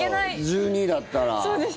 １２位だったら。